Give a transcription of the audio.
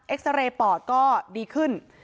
ซาเรย์ปอดก็ดีขึ้น